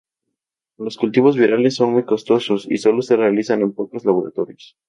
Los cultivos virales son muy costosos y solo se realizan en pocos laboratorios.